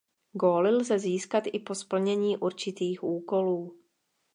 Góly lze získat i po splnění určitých úkolů.